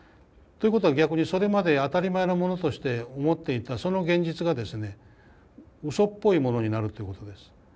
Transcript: ということは逆にそれまで当たり前のものとして思っていたその現実がですねうそっぽいものになるということです。